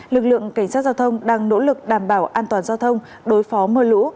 lực lượng cảnh sát giao thông đang nỗ lực đảm bảo an toàn giao thông đối phó mưa lũ